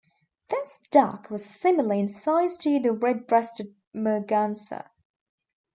This duck was similar in size to the red-breasted merganser.